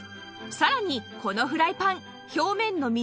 さらにこのフライパン表面の溝も特長